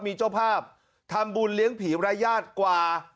มีเจ้าภาพทำบุญเลี้ยงผีรายญาติกว่า